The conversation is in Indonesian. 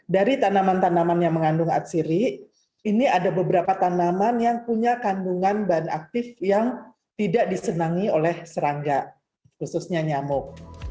dari tanaman tanaman yang mengandung atsiri ini ada beberapa tanaman yang punya kandungan bahan aktif yang tidak disenangi oleh serangga khususnya nyamuk